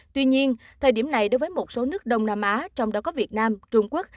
tuy nhiên thời điểm này đối với một số nước đông nam á trong đó có việt nam trung quốc